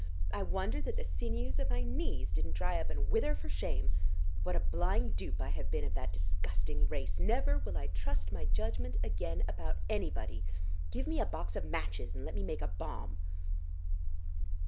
I wonder that the sinews of my knees didn't dry up and wither for shame. What a blind dupe I have been of that disgusting race! Never will I trust my judgment again about anybody.... Give me a box of matches and let me make a bomb."